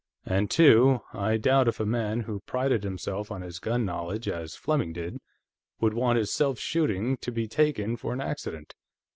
And, two, I doubt if a man who prided himself on his gun knowledge, as Fleming did, would want his self shooting to be taken for an accident.